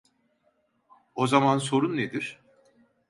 O zaman sorun nedir?